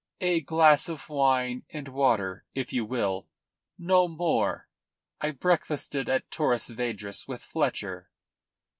"A glass of wine and water, if you will. No more. I breakfasted at Torres Vedras with Fletcher."